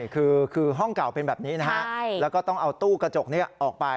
คือห้องเก่าเป็นแบบนี้นะฮะแล้วก็ต้องเอาตู้กระจกนี้ออกไป